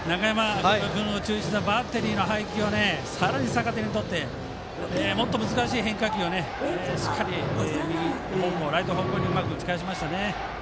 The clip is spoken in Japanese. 明豊バッテリーの配球をさらに逆手にとってもっと難しい変化球をしっかりライト方向にうまく打ち返しました。